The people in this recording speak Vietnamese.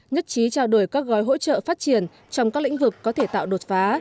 nhất trí trao đổi các gói hỗ trợ phát triển trong các lĩnh vực có thể tạo đột phá